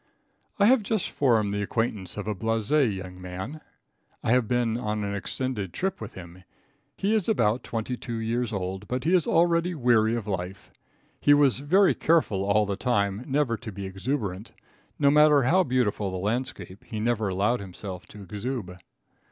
I have just formed the acquaintance of a blase young man. I have been on an extended trip with him. He is about twenty two years old, but he is already weary of life. He was very careful all the time never to be exuberant. No matter how beautiful the landscape, he never allowed himself to exube.